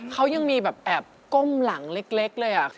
เขายังมีแบบแอบก้มหลังเล็กเลย